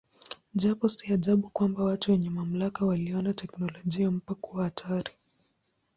Hapo si ajabu kwamba watu wenye mamlaka waliona teknolojia mpya kuwa hatari.